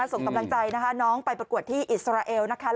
ส่งกำลังใจนะคะน้องไปประกวดที่อิสราเอลนะคะ